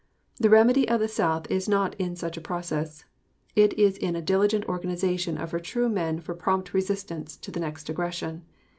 The remedy of the South is not in such a process. It is in a diligent organization of her true men for prompt resistance to the next aggression.